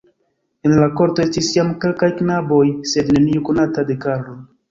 En la korto estis jam kelkaj knaboj, sed neniu konata de Karlo.